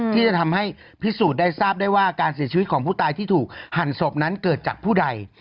ที่จะทำให้พิสูจน์ได้ทราบได้ว่าการเสียชีวิตของผู้ตายที่ถูกหั่นศพนั้นเกิดจากผู้ใด